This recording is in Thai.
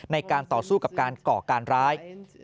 ในการต่อสู้กับการก่อการร้าย